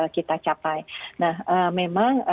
kita capai nah memang